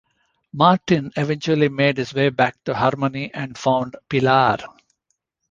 Martin eventually made his way back to Harmony and found Pilar.